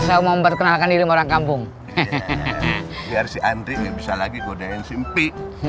saya mau memperkenalkan diri orang kampung hehehe biar si andri bisa lagi godein simpi